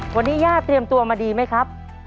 วันนี้ย่าเตรียมตัวมาดีไหมครับ